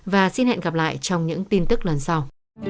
và hẹn gặp lại các bạn trong những video tiếp theo